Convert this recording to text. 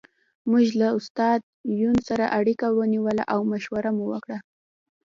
موږ له استاد یون سره اړیکه ونیوله او مشوره مو وکړه